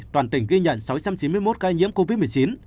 toàn tỉnh ghi nhận sáu trăm chín mươi một ca nhiễm covid một mươi chín